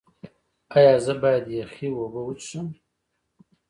ایا زه باید یخې اوبه وڅښم؟